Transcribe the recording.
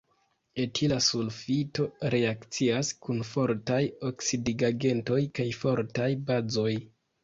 Etila sulfito reakcias kun fortaj oksidigagentoj kaj fortaj bazoj.